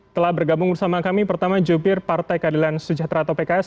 telah bergabung bersama kami pertama jubir partai keadilan sejahtera atau pks